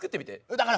だから。